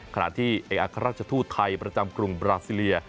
ขณะที่เอกอัครราชทูตไทยประจำกรุงบราซิเลีย